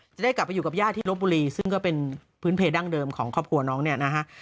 จะได้กลับไปอยู่กับญาติที่ลบบุรีซึ่งก็เป็นพื้นเพดั้งเดิมของครอบครัวน้องเนี่ยนะฮะ